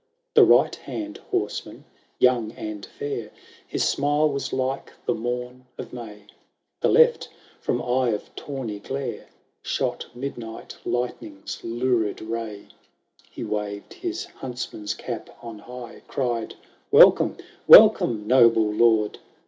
VI The right hand horseman, young and fair, His smile was like the morn of May ; The left, from eye of tawny glare, Shot midnight lightning's lurid ray. VII He waved his huntsman's cap on high, Cried, ""Welcome, welcome, noble lord!